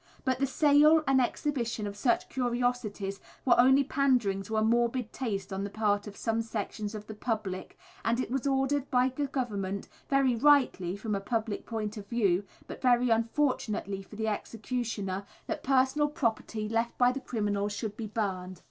But the sale and exhibition of such curiosities were only pandering to a morbid taste on the part of some sections of the public, and it was ordered by the Government very rightly, from a public point of view, but very unfortunately for the executioner that personal property left by the criminals should be burned.